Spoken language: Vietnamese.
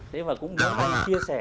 đấy và cũng muốn anh chia sẻ